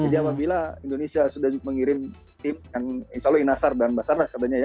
jadi apabila indonesia sudah mengirim tim yang insya allah inasar dan basarnas katanya ya